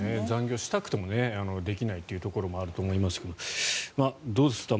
残業したくてもできないというところもあると思いますがどうです？